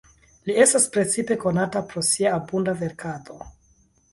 Li estas precipe konata pro sia abunda verkado.